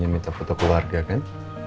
minta foto keluarga kan